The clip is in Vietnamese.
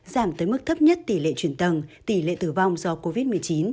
giảm tới mức thấp nhất tỷ lệ chuyển tầng tỷ lệ tử vong do covid một mươi chín